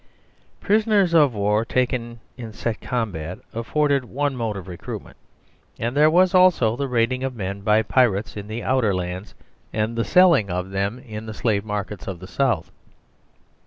Prisoners of war taken in set combat afforded one 33 3 THE SERVILE STATE mode of recruitment, and there was also the raiding of men by pirates in the outer lands and the selling of them in the slave markets of the South.